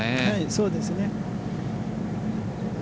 そうですね。